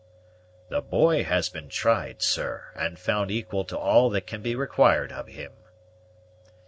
"The boy has been tried, sir, and found equal to all that can be required of him."